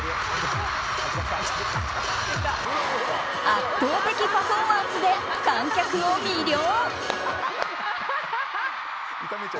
圧倒的パフォーマンスで観客を魅了。